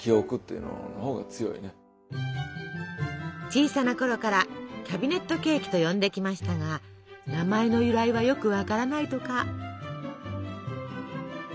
小さなころから「キャビネットケーキ」と呼んできましたが名前の由来はよくわからないとか。